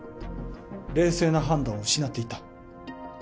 冷静な判断を失っていた。